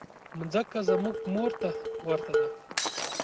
مځکه زموږ مور ته ورته ده.